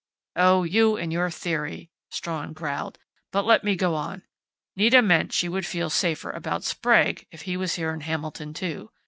"Oh, you and your theory!" Strawn growled. "But let me go on.... Nita meant she would feel safer about Sprague if he was here in Hamilton, too.